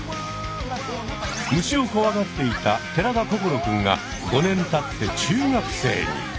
虫をこわがっていた寺田心くんが５年たって中学生に。